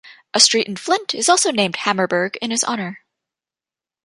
A street in Flint is also named Hammerberg in his honor.